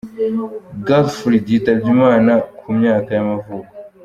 Garfield yitabye Imana, ku myaka y’amavuko.